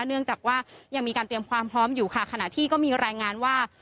เนื่องจากว่ายังมีการเตรียมความพร้อมอยู่ค่ะขณะที่ก็มีรายงานว่า